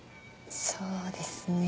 そうですね。